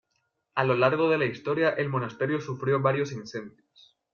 A lo largo de la historia el monasterio sufrió varios incendios.